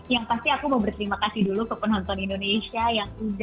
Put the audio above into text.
yang pasti aku mau berterima kasih dulu ke penonton indonesia yang sudah ke bioskop